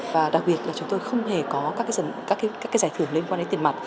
và đặc biệt là chúng tôi không hề có các giải thưởng liên quan đến tiền mặt